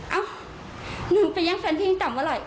เอ้าหนูไปยั่งแฟนพี่ต่ำเวลาไหร่